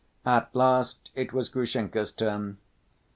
At last it was Grushenka's turn.